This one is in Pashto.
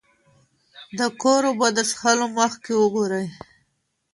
د کور اوبه د څښلو مخکې وګورئ.